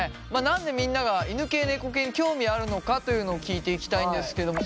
何でみんなが犬系・猫系に興味あるのかというのを聞いていきたいんですけども。